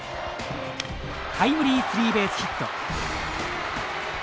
タイムリースリーベースヒット。